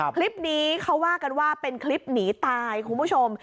คลิปนี้เขาว่ากันว่าเป็นคลิปหนีตายคุณผู้ชม